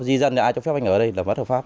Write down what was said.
di dân thì ai cho phép anh ở đây là bất hợp pháp